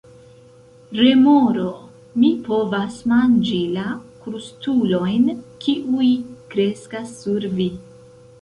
Remoro: "Mi povas manĝi la krustulojn kiuj kreskas sur vi."